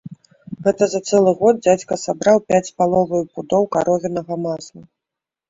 Гэта за цэлы год дзядзька сабраў пяць з паловаю пудоў каровінага масла.